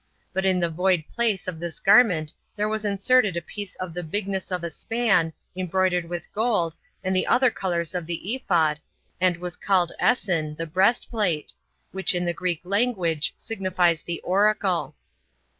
But in the void place of this garment there was inserted a piece of the bigness of a span, embroidered with gold, and the other colors of the ephod, and was called Essen, [the breastplate,] which in the Greek language signifies the Oracle.